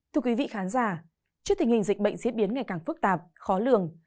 thưa quý vị khán giả trước tình hình dịch bệnh diễn biến ngày càng phức tạp khó lường